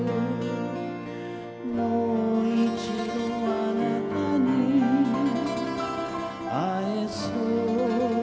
「もう一度あなたに会えそうな夜」